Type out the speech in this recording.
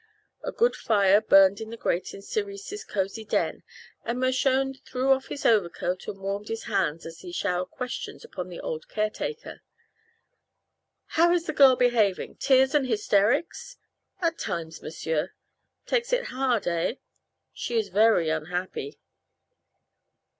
A good fire burned in the grate of Cerise's cosy den and Mershone threw off his overcoat and warmed his hands as he showered questions upon the old caretaker. "How is the girl behaving? Tears and hysterics?" "At times, m'sieur." "Takes it hard, eh?" "She is very unhappy."